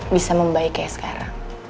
bisa membaik kayak sekarang